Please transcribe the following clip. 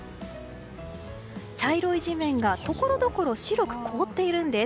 茶色い地面が、ところどころ白く凍っているんです。